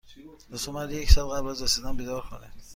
لطفا مرا یک ساعت قبل از رسیدن بیدار کنید.